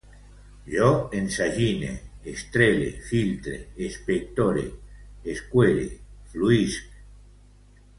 Jo ensagine, estrele, filtre, expectore, esquere, fluïsc